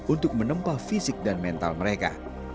untuk menempah fisik dan mental mereka